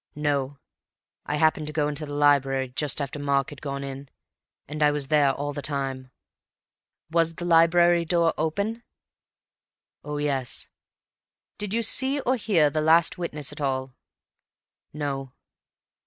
"No. I happened to go into the library just after Mark had gone in, and I was there all the time." "Was the library door open?" "Oh, yes." "Did you see or hear the last witness at all?" "No."